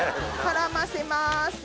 絡ませます。